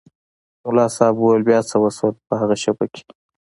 ملا صاحب وویل بیا څه وشول په هغې شېبه کې.